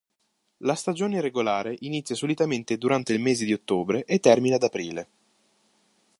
La stagione regolare inizia solitamente durante il mese di ottobre, e termina ad aprile.